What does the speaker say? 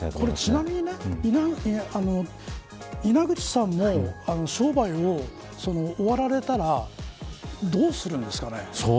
ちなみに稲口さんも商売を終わられたらどうするんですかね。